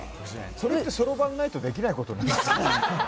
それって、そろばんがないとできないことなんですか？